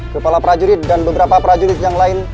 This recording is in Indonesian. kepala prajurit dan beberapa prajurit yang lain